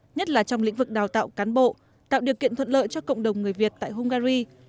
nhất là trong lĩnh vực đào tạo cán bộ tạo điều kiện thuận lợi cho cộng đồng người việt tại hungary